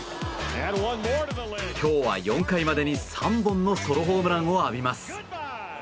今日は４回までに３本のソロホームランを浴びます。